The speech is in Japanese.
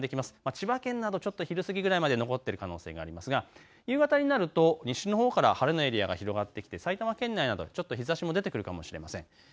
千葉県などちょっと昼過ぎぐらいまで残っている可能性がありますが夕方になると西日本から晴れのエリアが広がってきて埼玉県内などでちょっと日ざしも出てくるかもしれません。